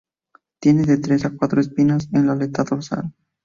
Tiene de tres a cuatro espinas en la aleta dorsal.